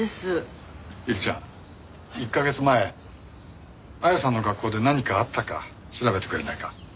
百合ちゃん１カ月前亜矢さんの学校で何かあったか調べてくれないか？